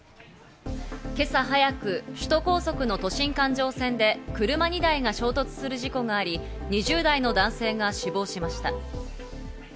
今朝早く首都高速の都心環状線で車２台が衝突する事故があり、２０代の男性が死亡しました。